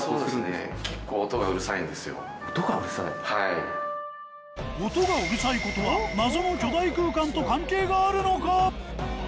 音がうるさいことは謎の巨大空間と関係があるのか！？